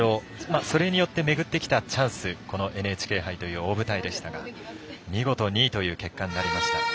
それによってめぐってきたチャンス、ＮＨＫ杯という大舞台でしたが見事２位という結果になりました。